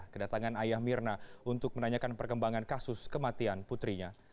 kedatangan ayah mirna untuk menanyakan perkembangan kasus kematian putrinya